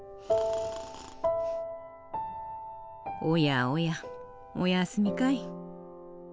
おやおやお休みかい？